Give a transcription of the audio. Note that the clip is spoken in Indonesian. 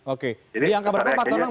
oke di angka berapa pak tonang